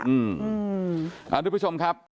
สำหรับทุกผู้ชมครับ